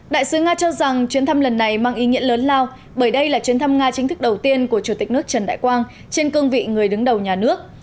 đại sứ nga cho rằng chuyến thăm lần này mang ý nghĩa lớn lao bởi đây là chuyến thăm nga chính thức đầu tiên của chủ tịch nước trần đại quang trên cương vị người đứng đầu nhà nước